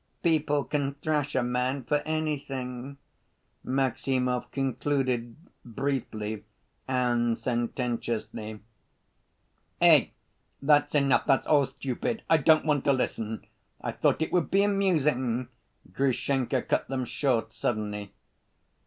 People can thrash a man for anything," Maximov concluded, briefly and sententiously. "Eh, that's enough! That's all stupid, I don't want to listen. I thought it would be amusing," Grushenka cut them short, suddenly.